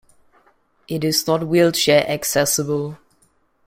It is not wheelchair-accessible.